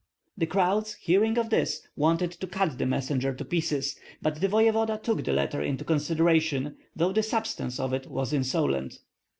The crowds hearing of this wanted to cut the messenger to pieces; but the voevodas took the letter into consideration, though the substance of it was insolent.